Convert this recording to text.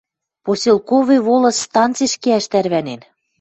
— Поселковый волость станциш кеӓш тӓрвӓнен...